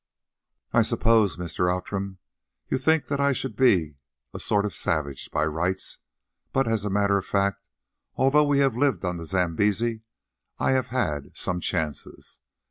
"I suppose, Mr. Outram, you think that I should be a sort of savage by rights; but as a matter of fact, although we have lived on the Zambesi, I have had some chances.